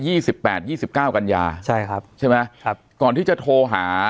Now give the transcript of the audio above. สิบแปดยี่สิบเก้ากัญญาใช่ครับใช่ไหมครับก่อนที่จะโทรหา